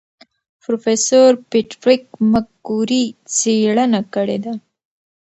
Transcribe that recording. پروفیسور پیټریک مکګوري څېړنه کړې ده.